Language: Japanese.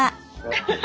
アハハハ！